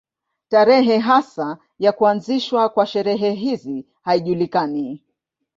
Tarehe hasa ya kuanzishwa kwa sherehe hizi haijulikani.